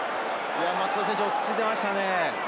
松田選手、落ち着いていましたね。